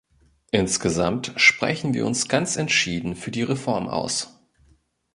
Insgesamt sprechen wir uns ganz entschieden für die Reform aus.